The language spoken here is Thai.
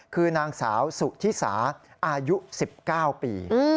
คือนางสาวสุธิสาอายุ๑๙ปี